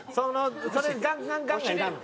それガンガンガンがいらんの。